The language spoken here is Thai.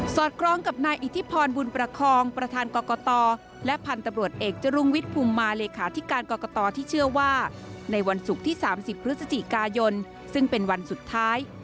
อดคล้องกับนายอิทธิพรบุญประคองประธานกรกตและพันธุ์ตำรวจเอกจรุงวิทย์ภูมิมาเลขาธิการกรกตที่เชื่อว่าในวันศุกร์ที่๓๐พฤศจิกายนซึ่งเป็นวันสุดท้าย